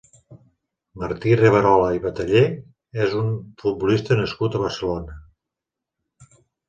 Martí Riverola i Bataller és un futbolista nascut a Barcelona.